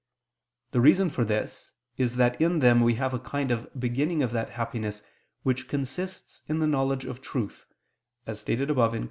The reason for this is that in them we have a kind of beginning of that happiness which consists in the knowledge of truth, as stated above (Q.